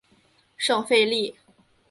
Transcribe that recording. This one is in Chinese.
圣费利。